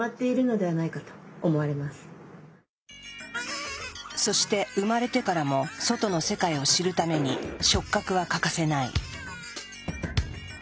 例えばそして生まれてからも外の世界を知るために触覚は欠かせない。